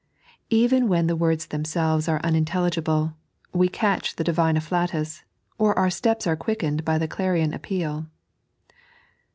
Even when the words themselves are unintelligible, we catch the Divine afSatua, or our steps are quickened by the clarion appeal.